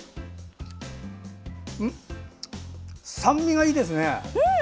酸味がいいですね！